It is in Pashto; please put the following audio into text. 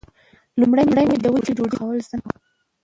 لومړی مې د وچې ډوډۍ پخول زده نه و.